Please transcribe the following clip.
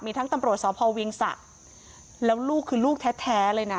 มีทั้งตำรวจสภวเวียงสะแล้วลูกคือลูกแท้แท้เลยน่ะ